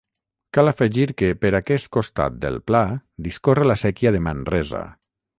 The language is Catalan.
Cal afegir que, per aquest costat del pla discorre la séquia de Manresa.